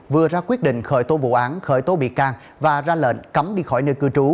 vừa ra quyết định khởi tố vụ án khởi tố bị can và ra lệnh cấm đi khỏi nơi cư trú